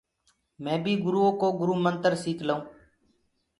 مي بي گُرو ڪو گُرو منتر سيک لنٚوٚ۔